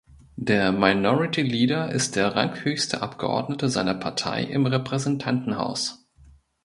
Der Minority Leader ist der ranghöchste Abgeordnete seiner Partei im Repräsentantenhaus.